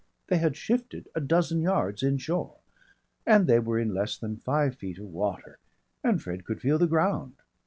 They had shifted a dozen yards inshore, and they were in less than five feet of water and Fred could feel the ground.